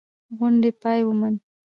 غونډې پای وموند.